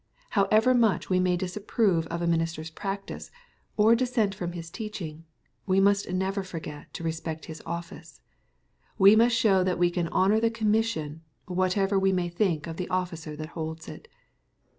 How ever much we may disapprove of a minister's practice, or dissent from his teaching, we must never forget to respect his office. — ^We must show that we can honor the commission, whatever we may think of the officei that holds it.